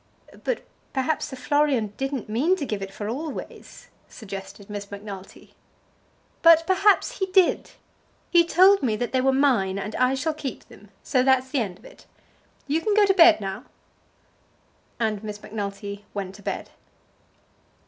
"But perhaps Sir Florian didn't mean to give it for always," suggested Miss Macnulty. "But perhaps he did. He told me that they were mine, and I shall keep them. So that's the end of it. You can go to bed now." And Miss Macnulty went to bed.